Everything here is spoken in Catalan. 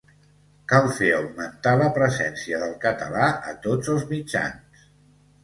Cal fer augmentar la presència del català a tots els mitjans.